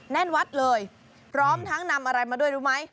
แน่นวัดเลยพร้อมทั้งนำอะไรมาด้วยรู้ไหม